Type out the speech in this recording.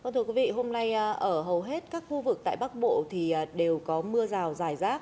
thưa quý vị hôm nay ở hầu hết các khu vực tại bắc bộ thì đều có mưa rào dài rác